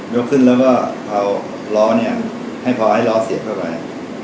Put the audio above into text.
ยกขึ้นแล้วก็เผาล้อเนี่ยให้เผาล้อเสียเข้าไป